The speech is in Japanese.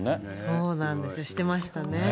そうなんですよ、してましたね。